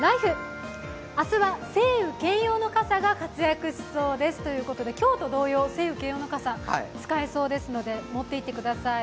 明日は晴雨兼用の傘が活躍しそうですということで今日と同様、晴雨兼用の傘、使えそうなので持っていってください。